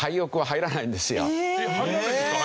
入らないんですか？